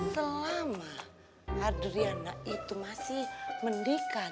selama adriana itu masih mendikat